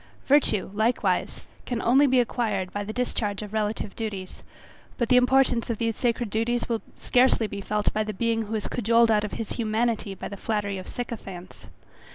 Virtue likewise can only be acquired by the discharge of relative duties; but the importance of these sacred duties will scarcely be felt by the being who is cajoled out of his humanity by the flattery of sycophants.